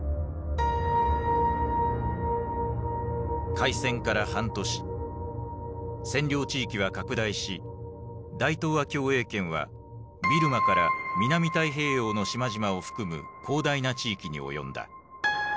開戦から半年占領地域は拡大し大東亜共栄圏はビルマから南太平洋の島々を含む広大な地域に及んだ。